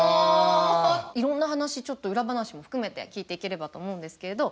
いろんな話ちょっとウラ話も含めて聞いていければと思うんですけれど。